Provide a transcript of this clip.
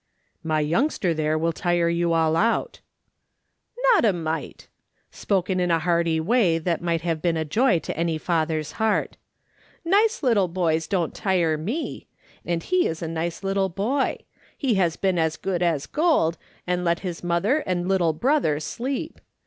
" My youngster there will tire you all out." " Not a mite," spoken in a hearty way that might "SOME THINGS IS QUEER." 55 have been a joy to any father's heart. " Nice little boys don't tire me ; and he is a nice little boy ; he has been as good as gold, and let his mother and little brother sleep.